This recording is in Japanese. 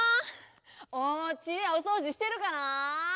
おうちでおそうじしてるかなあ？